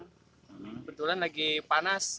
kebetulan lagi panas